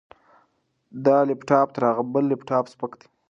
دا لپټاپ تر هغه بل لپټاپ سپک دی.